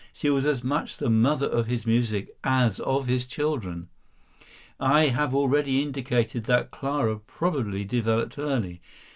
She was as much the mother of his music as of his children. I have already indicated that Clara probably developed early.